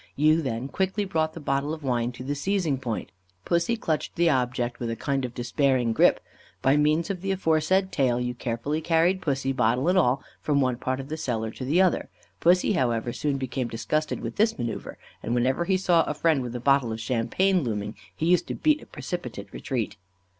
You then quickly brought the bottle of wine to the seizing point; Pussy clutched the object with a kind of despairing grip. By means of the aforesaid tail, you carefully carried pussy, bottle and all, from one part of the cellar to the other. Pussy, however, soon became disgusted with this manœuvre, and whenever he saw a friend with a bottle of champagne looming, he used to beat a precipitate retreat.